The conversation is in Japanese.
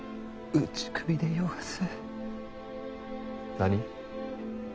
何？